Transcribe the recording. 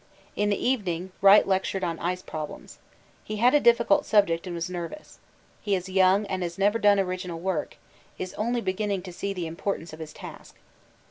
In the evening Wright lectured on 'Ice Problems.' He had a difficult subject and was nervous. He is young and has never done original work; is only beginning to see the importance of his task.